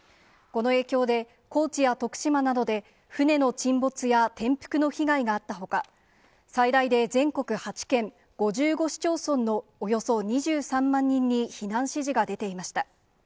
この影響で、高知や徳島などで、船の沈没や転覆の被害があったほか、最大で全国８県５５市町村のおよそ２３万人に避難指示が出ていました。